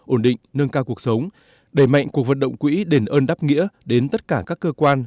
ổn định nâng cao cuộc sống đẩy mạnh cuộc vận động quỹ đền ơn đáp nghĩa đến tất cả các cơ quan